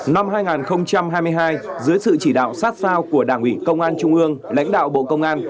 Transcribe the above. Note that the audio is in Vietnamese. năm hai nghìn hai mươi hai dưới sự chỉ đạo sát sao của đảng ủy công an trung ương lãnh đạo bộ công an